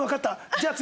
「じゃあ次」